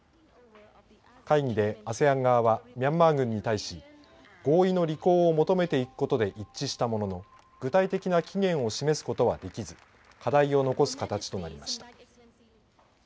会議でＡＳＥＡＮ側はミャンマー軍に対し合意の履行を求めていくことで一致したものの具体的な期限を示すことはできず課題を残す形となりました。